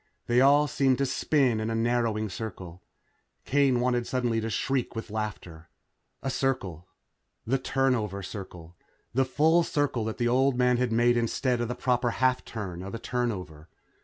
They all seemed to spin in a narrowing circle. Kane wanted suddenly to shriek with laughter. A circle. The turnover circle. The full circle that the old man had made instead of the proper half turn of a turnover.